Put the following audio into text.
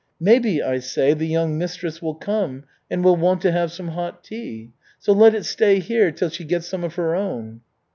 'Maybe,' I say, 'the young mistress will come and will want to have some hot tea. So let it stay here till she gets some of her own.'